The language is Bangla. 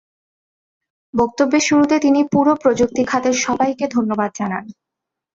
বক্তব্যের শুরুতে তিনি পুরো প্রযুক্তি খাতের সবাইকে ধন্যবাদ জানান।